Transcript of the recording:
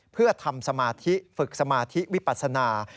เพื่อทำสมาธิฝึกสมาธิวิปัสนา